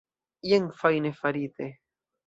Jen fajne farite.